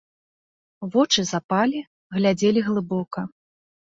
Вочы запалі, глядзелі глыбока.